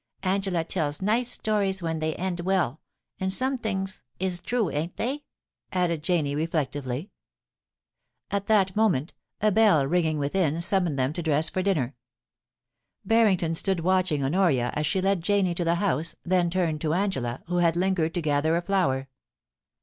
Angela tells nice stories when they end well — and some things is true, ain't they ?' added Janie, reflec tively. At that moment a bell ringing within, summoned them to dress for dinner. Barrington stood watching Honoria as she led Janie to the house, then turned to Angela, who had lingered to gather a flower.